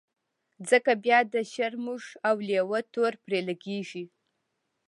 ځکه بيا د شرمښ او لېوه تور پرې لګېږي.